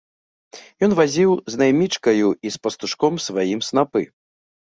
Ён вазіў з наймічкаю і з пастушком сваім снапы.